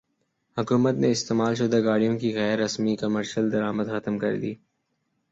حکومت نے استعمال شدہ گاڑیوں کی غیر رسمی کمرشل درامد ختم کردی